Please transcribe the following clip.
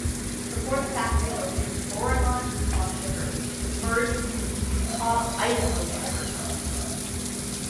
Before the factory opened, Oregon-Utah Sugar was merged into the Utah-Idaho Sugar Company.